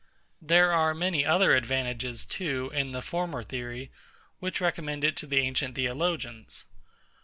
There are many other advantages, too, in the former theory, which recommended it to the ancient theologians.